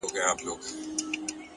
شاعر او شاعره”